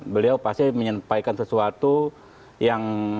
beliau pasti menyampaikan sesuatu yang